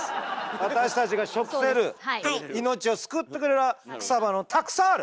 私たちが食せる命を救ってくれる草花はたくさんある！